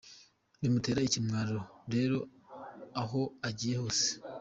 Bimutera ikimwaro rero aho agiye hose.